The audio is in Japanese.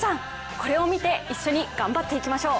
これを見て一緒に頑張っていきましょう。